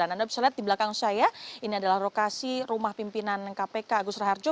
anda bisa lihat di belakang saya ini adalah lokasi rumah pimpinan kpk agus raharjo